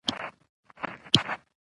د خوني فرش او غالۍ غټ قيمت لري.